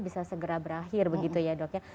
bisa segera berakhir begitu ya dok ya